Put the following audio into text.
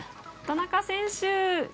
田中選手。